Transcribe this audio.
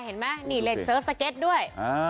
เห็นไหมนี่เล่นเสิร์ฟสเก็ตด้วย